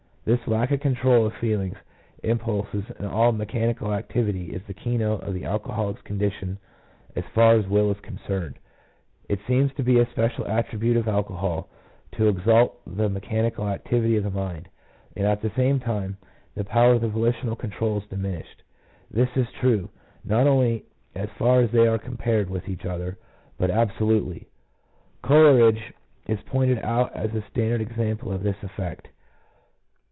This lack of control of feelings, impulses, and all mechani cal activity is the keynote of the alcoholic's condition as far as will is concerned. It seems to be a special attribute of alcohol to exalt the mechanical activity of the mind, and at the same time the power of volitional control is diminished. This is true, not only as far as they are compared with each other, but absolutely. Coleridge is pointed out as a standard example of this effect.